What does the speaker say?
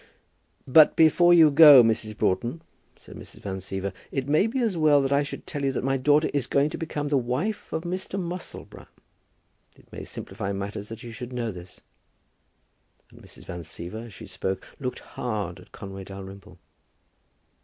"But before you go, Mrs. Broughton," said Mrs. Van Siever, "it may be as well that I should tell you that my daughter is going to become the wife of Mr. Musselboro. It may simplify matters that you should know this." And Mrs. Van Siever, as she spoke, looked hard at Conway Dalrymple.